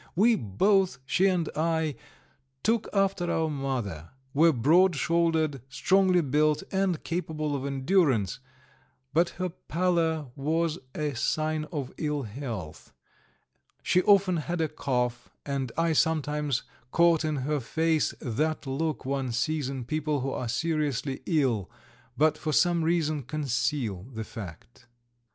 We both, she and I, took after our mother, were broad shouldered, strongly built, and capable of endurance, but her pallor was a sign of ill health; she often had a cough, and I sometimes caught in her face that look one sees in people who are seriously ill, but for some reason conceal the fact.